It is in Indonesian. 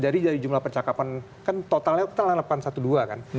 jadi dari jumlah percakapan kan totalnya kita lalepan satu dua kan